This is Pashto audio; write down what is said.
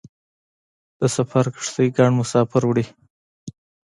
د سفر کښتۍ ګڼ مسافر وړي.